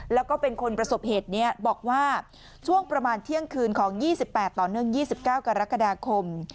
แล้วก็เป็นคนประสบเหตุนี้บอกว่าช่วงประมาณเที่ยงคืนของ๒๘ต่อเนื่อง๒๙กรกฎาคม